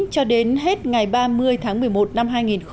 cho đến hết ngày ba mươi tháng một mươi một năm hai nghìn một mươi bảy